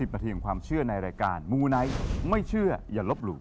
นาทีของความเชื่อในรายการมูไนท์ไม่เชื่ออย่าลบหลู่